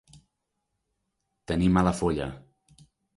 Tenir mala folla.